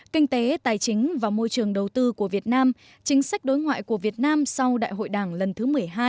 kinh tế tài chính và môi trường đầu tư của việt nam chính sách đối ngoại của việt nam sau đại hội đảng lần thứ một mươi hai